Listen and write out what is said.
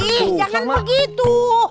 ih jangan begitu